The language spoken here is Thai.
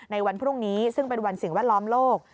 ในวันพรุ่งนี้ซึ่งเป็นวันสิ่งแวดล้อมโลก